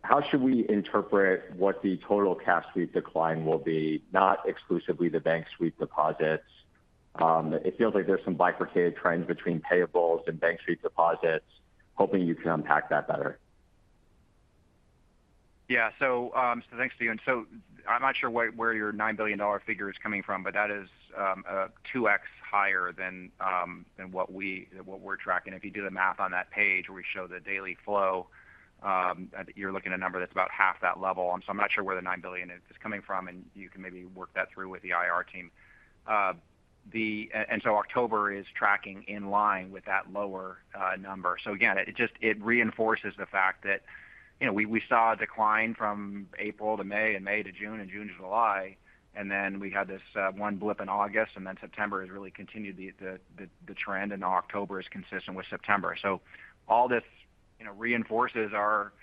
How should we interpret what the total cash sweep decline will be, not exclusively the bank sweep deposits? It feels like there's some bifurcated trends between payables and bank sweep deposits. Hoping you can unpack that better. Yeah. So, thanks to you. And so I'm not sure where your $9 billion figure is coming from, but that is a 2x higher than what we're tracking. If you do the math on that page, where we show the daily flow, you're looking at a number that's about half that level. And so I'm not sure where the $9 billion is coming from, and you can maybe work that through with the IR team. And so October is tracking in line with that lower number. So again, it just reinforces the fact that, you know, we saw a decline from April to May and May to June and June to July, and then we had this one blip in August, and then September has really continued the trend, and October is consistent with September. So all this, you know, reinforces our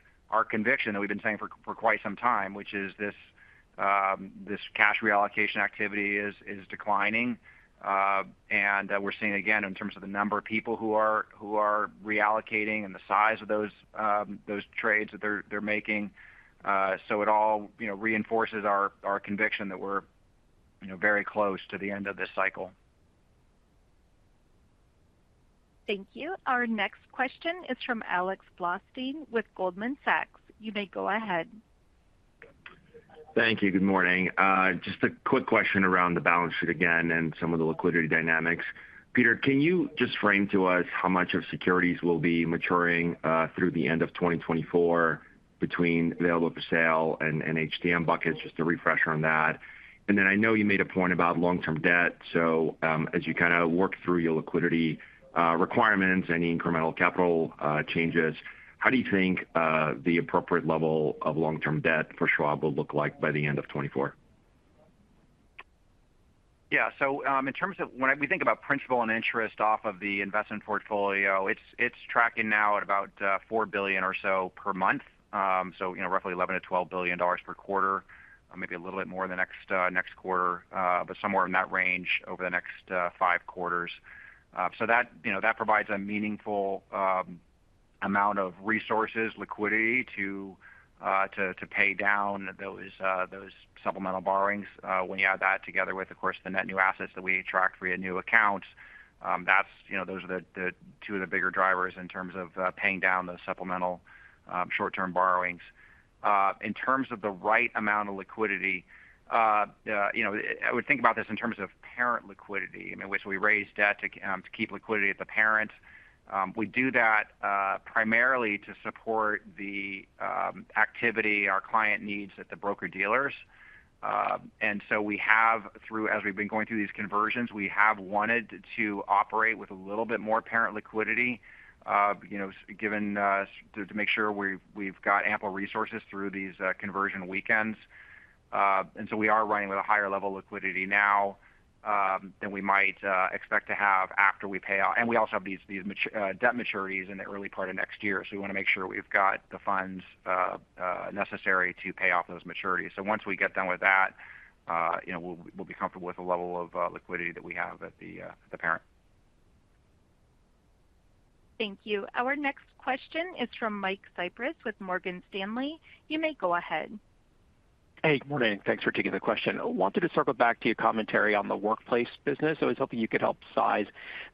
conviction that we've been saying for quite some time, which is this cash reallocation activity is declining. And we're seeing, again, in terms of the number of people who are reallocating and the size of those trades that they're making. So it all, you know, reinforces our conviction that we're, you know, very close to the end of this cycle. Thank you. Our next question is from Alex Blostein with Goldman Sachs. You may go ahead. Thank you. Good morning. Just a quick question around the balance sheet again and some of the liquidity dynamics. Peter, can you just frame to us how much of securities will be maturing through the end of 2024 between available for sale and HTM buckets? Just a refresher on that. And then I know you made a point about long-term debt, so as you kind of work through your liquidity requirements, any incremental capital changes, how do you think the appropriate level of long-term debt for Schwab will look like by the end of 2024? Yeah. So, in terms of when we think about principal and interest off of the investment portfolio, it's, it's tracking now at about, $4 billion or so per month. So, you know, roughly $11 billion-$12 billion per quarter, maybe a little bit more in the next, next quarter, but somewhere in that range over the next, five quarters. So that, you know, that provides a meaningful, amount of resources, liquidity to, to, to pay down those, those supplemental borrowings. When you add that together with, of course, the net new assets that we attract via new accounts, that's, you know, those are the, the two of the bigger drivers in terms of, paying down those supplemental, short-term borrowings. In terms of the right amount of liquidity, you know, I would think about this in terms of parent liquidity, I mean, which we raise debt to, to keep liquidity at the parent. We do that primarily to support the activity our client needs at the broker-dealers. And so we have through, as we've been going through these conversions, we have wanted to operate with a little bit more parent liquidity, you know, given, to, to make sure we've got ample resources through these, conversion weekends. And so we are running with a higher level of liquidity now, than we might expect to have after we pay off. And we also have these debt maturities in the early part of next year. So we want to make sure we've got the funds necessary to pay off those maturities. So once we get done with that, you know, we'll be comfortable with the level of liquidity that we have at the parent. Thank you. Our next question is from Mike Cyprys with Morgan Stanley. You may go ahead. Hey, good morning. Thanks for taking the question. I wanted to circle back to your commentary on the workplace business. I was hoping you could help size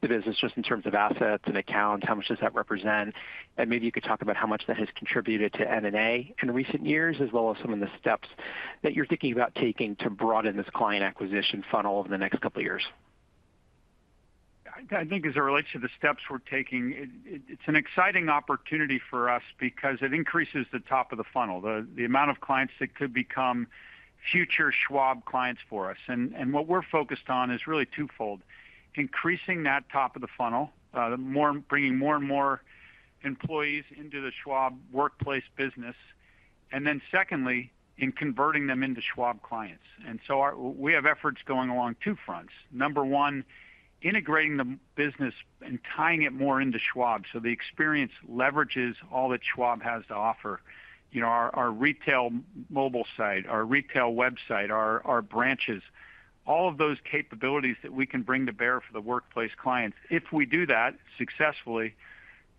the business just in terms of assets and accounts, how much does that represent? And maybe you could talk about how much that has contributed to NNA in recent years, as well as some of the steps that you're thinking about taking to broaden this client acquisition funnel over the next couple of years. I think as it relates to the steps we're taking, it's an exciting opportunity for us because it increases the top of the funnel, the amount of clients that could become future Schwab clients for us. And what we're focused on is really twofold, increasing that top of the funnel, bringing more and more employees into the Schwab workplace business, and then secondly, in converting them into Schwab clients. And so we have efforts going along two fronts. Number one, integrating the business and tying it more into Schwab. So the experience leverages all that Schwab has to offer. You know, our retail mobile site, our retail website, our branches, all of those capabilities that we can bring to bear for the workplace clients. If we do that successfully.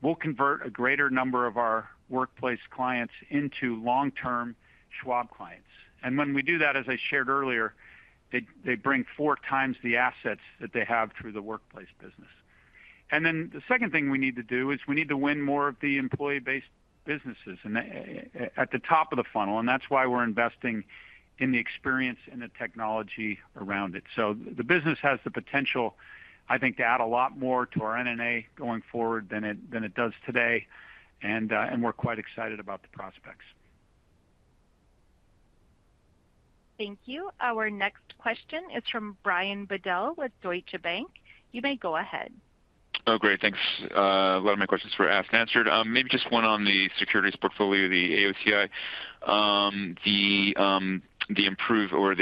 We'll convert a greater number of our workplace clients into long-term Schwab clients. And when we do that, as I shared earlier, they, they bring four times the assets that they have through the workplace business. And then the second thing we need to do is we need to win more of the employee-based businesses and, at, at the top of the funnel, and that's why we're investing in the experience and the technology around it. So the business has the potential, I think, to add a lot more to our NNA going forward than it, than it does today, and, and we're quite excited about the prospects. Thank you. Our next question is from Brian Bedell with Deutsche Bank. You may go ahead. Oh, great. Thanks. A lot of my questions were asked and answered. Maybe just one on the securities portfolio, the AOCI. The improvement,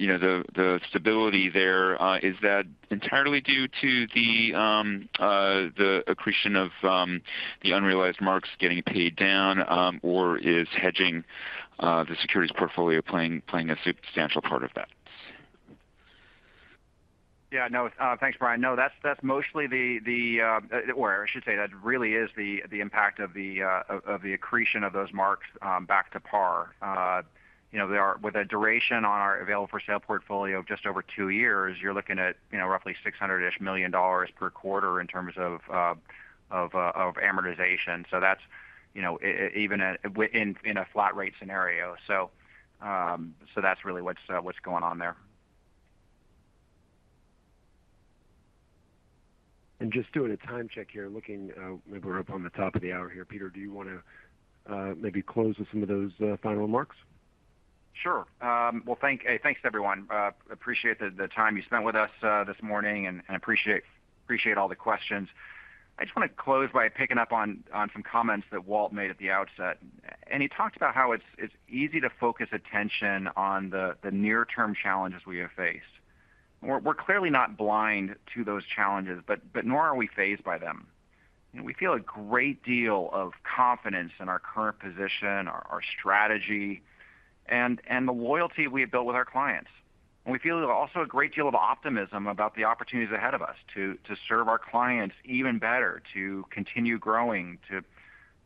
you know, the stability there, is that entirely due to the accretion of the unrealized marks getting paid down, or is hedging the securities portfolio playing a substantial part of that? Yeah, no. Thanks, Brian. No, that's mostly the, or I should say, that really is the impact of the accretion of those marks back to par. You know, with a duration on our available-for-sale portfolio of just over two years, you're looking at, you know, roughly $600-ish million per quarter in terms of amortization. So that's, you know, even at, in a flat rate scenario. So, so that's really what's going on there. Just doing a time check here, looking, maybe we're up on the top of the hour here. Peter, do you want to maybe close with some of those final remarks? Sure. Well, thanks, everyone. Appreciate the time you spent with us this morning, and appreciate all the questions. I just want to close by picking up on some comments that Walt made at the outset, and he talked about how it's easy to focus attention on the near-term challenges we have faced. We're clearly not blind to those challenges, but nor are we phased by them. We feel a great deal of confidence in our current position, our strategy, and the loyalty we have built with our clients. We feel also a great deal of optimism about the opportunities ahead of us to serve our clients even better, to continue growing, to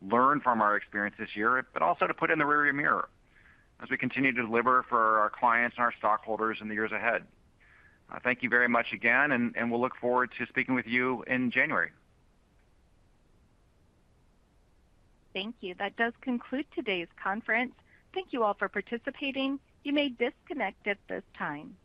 learn from our experience this year, but also to put it in the rearview mirror as we continue to deliver for our clients and our stockholders in the years ahead. Thank you very much again, and we'll look forward to speaking with you in January. Thank you. That does conclude today's conference. Thank you all for participating. You may disconnect at this time.